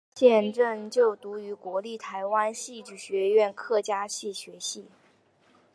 现正就读于国立台湾戏曲学院客家戏学系。